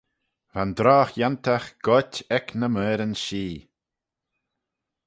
Va'n drogh-yantagh goit ec ny meoiryn-shee.